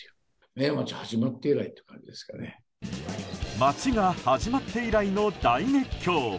町が始まって以来の大熱狂。